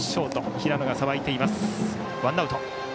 ワンアウト。